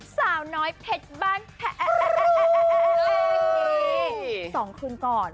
สาวน้อยเผ็ดบ้าน